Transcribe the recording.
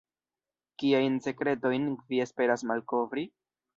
Kiajn sekretojn vi esperas malkovri?